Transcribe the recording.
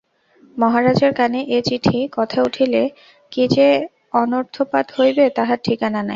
মহারাজের কানে এ চিঠির কথা উঠিলে কী যে অনর্থপাত হইবে তাহার ঠিকানা নাই।